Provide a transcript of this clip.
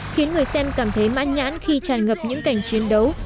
khiến người xem cảm thấy mãn nhãn khi tràn ngập những cảnh chiến đấu